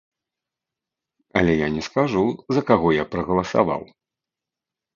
Але я не скажу, за каго я прагаласаваў.